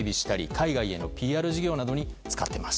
海外へのＰＲ事業に使っています。